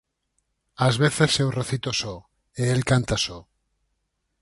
Ás veces eu recito só, e el canta só.